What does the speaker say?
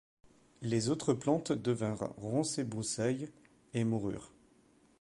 Les autres plantes devinrent ronces et broussailles, et moururent.